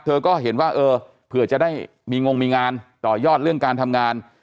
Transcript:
เธอก็เห็นว่าเออเผื่อจะได้มีงงมีงานต่อยอดเรื่องการทำงาน